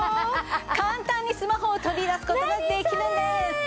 簡単にスマホを取り出す事ができるんです！